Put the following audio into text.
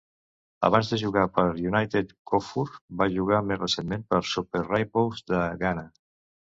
Abans de jugar pel United, Kuffour va jugar més recentment pels Super Rainbows de Ghana.